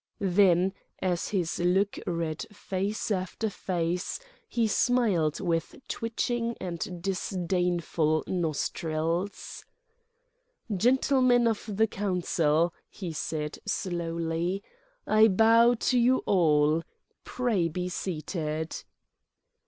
Then, as his look read face after face, he smiled with twitching and disdainful nostrils. "Gentlemen of the Council," he said, slowly, "I bow to you all. Pray be seated."